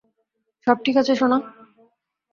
সব ঠিক আছে, সোনা?